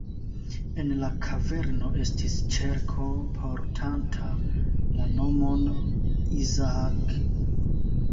En la kaverno estis ĉerko portanta la nomon "Isaak".